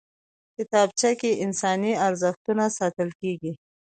کتابچه کې انساني ارزښتونه ساتل کېږي